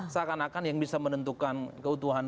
seakan akan yang bisa menentukan keutuhan